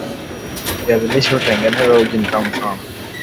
Viazi lishe hutengeneza uji mtamu sana